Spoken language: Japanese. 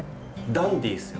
ダンディーっすよ！